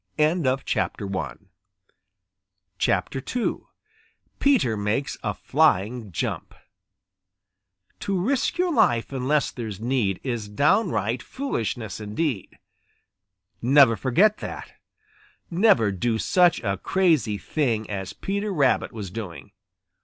II PETER MAKES A FLYING JUMP To risk your life unless there's need Is downright foolishness indeed. Never forget that. Never do such a crazy thing as Peter Rabbit was doing.